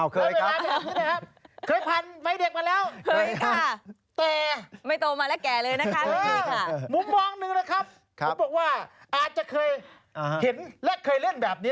ใครเคยเป็นเด็กบ้างครับ